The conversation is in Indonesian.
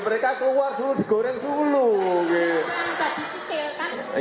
membelikan kompor yang hos hos besar